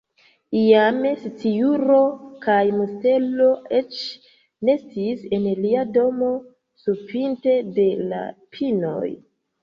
Iam sciuro kaj mustelo eĉ nestis en lia domo surpinte de la pinoj.